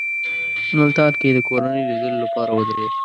ملتان کې یې د کورنۍ لیدلو لپاره ودرېد.